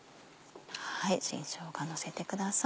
新しょうが乗せてください。